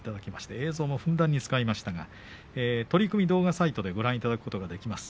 映像もふんだんに使いましたが取組動画サイトでご覧いただくことができます。